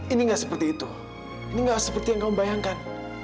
ini nggak seperti itu ini nggak seperti yang kamu bayangkan